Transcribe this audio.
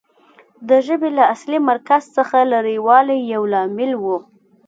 د ژبې له اصلي مرکز څخه لرې والی یو لامل و